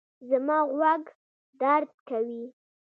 زما غوږ درد کوي